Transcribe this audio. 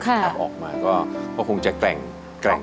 ถ้าออกมาก็พวกูจะแกร่งขึ้น